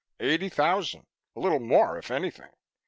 "Eighty thousand. A little more, if anything.